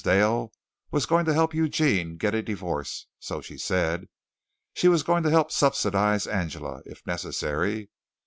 Dale was going to help Eugene get a divorce, so she said. She was going to help subsidize Angela, if necessary.